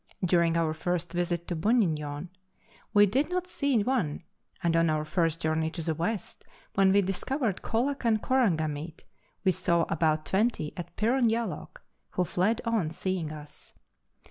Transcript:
During our first visit to Buninyong we did not see one, and on our first journey to the west, when we discovered Colac and Korangamite, we saw about twenty atPirron Yalloak, who fled on seeing us.